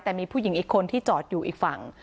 แต่มีผู้หญิงอีกคนที่จอดอยู่อีกฝั่ง